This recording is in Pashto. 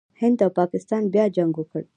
هند او پاکستان بیا جنګ وکړ.